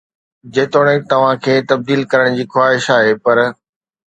جيتوڻيڪ توهان کي تبديل ڪرڻ جي خواهش آهي، پر